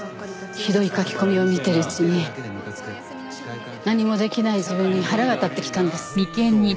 ひどい書き込みを見ているうちに何もできない自分に腹が立ってきたんです。